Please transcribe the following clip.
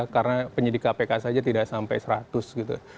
karena penyidik kpk saja tidak sampai seratus gitu